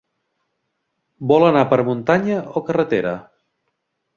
Vol anar per muntanya o carretera?